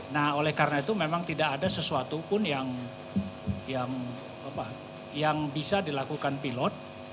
nah oleh karena itu memang tidak ada sesuatu pun yang bisa dilakukan pilot